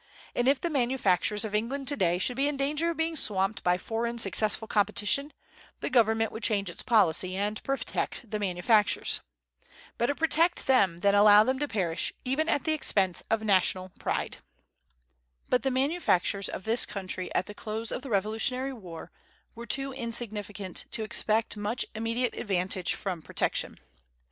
And if the manufactures of England to day should be in danger of being swamped by foreign successful competition, the Government would change its policy, and protect the manufactures. Better protect them than allow them to perish, even at the expense of national pride. But the manufactures of this country at the close of the Revolutionary War were too insignificant to expect much immediate advantage from protection.